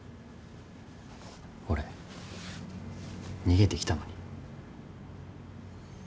俺逃げてきたのに。